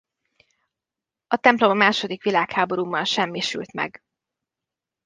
A templom a második világháborúban semmisült meg.